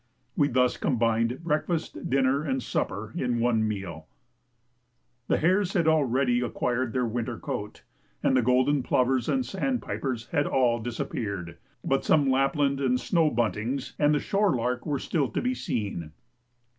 We thus combined breakfast, dinner, and supper in one meal. The hares had already acquired their winter coat, and the golden plovers and sandpipers had all disappeared, but some Lapland and snow buntings and the shore lark were still to be seen.